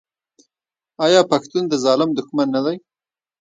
آیا پښتون د ظالم دښمن نه دی؟